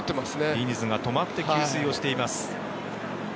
ディニズが止まって給水をしています。